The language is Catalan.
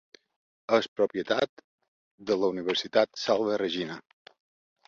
És propietat de la universitat Salve Regina.